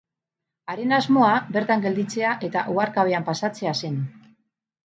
Haren asmoa bertan gelditzea eta oharkabean pasatzea zen.